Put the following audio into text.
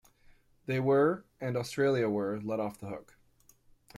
They were - and Australia were let off the hook.